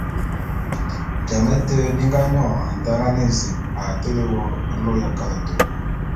Jame té bi nga nyòn Ntangan ézin a tele wô nlô ya kalate nyô.